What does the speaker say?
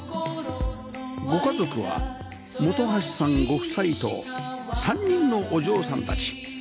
ご家族は本橋さんご夫妻と３人のお嬢さんたち